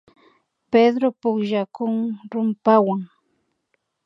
Pedro pukllakun rumpawan